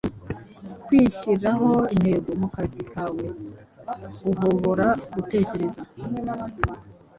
kwihyiriraho intego mukazi kawe, uhobora gutekereza